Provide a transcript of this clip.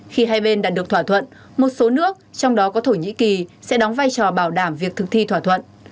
khi hai bên đạt được thỏa thuận một số nước trong đó có thổ nhĩ kỳ sẽ đóng vai trò bảo đảm việc thực thi thỏa thuận